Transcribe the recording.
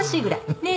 ねえ。